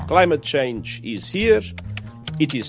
perubahan iklim ada di sini